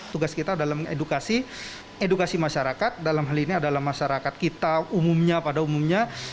tugas kita adalah mengedukasi edukasi masyarakat dalam hal ini adalah masyarakat kita umumnya pada umumnya